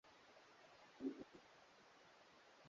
hakuna kesi zilizoripotiwa katika mkataba huo